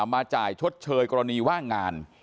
มาจ่ายชดเชยกรณีว่างงาน